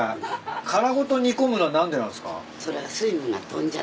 殻ごと煮込むのは何でなんすか？